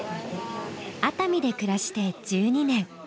熱海で暮らして１２年。